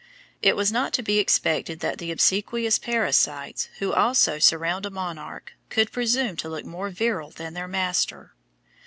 It was not to be expected that the obsequious parasites who always surround a monarch, could presume to look more virile than their master.